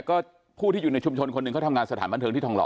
ก็ผู้ที่อยู่ในชุมชนคนหนึ่งเขาทำงานสถานบันเทิงที่ทองหล